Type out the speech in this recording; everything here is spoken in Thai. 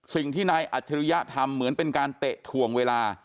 สิ่งที่นายอัจฉริยะทำเหมือนเป็นการเตะถ่วงเวลา